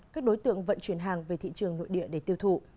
các đối tượng vận chuyển hàng về thị trường nội địa để tiêu thụ